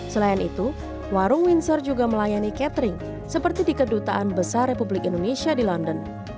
selain itu warung windsor juga melayani catering seperti di kedutaan besar republik indonesia di london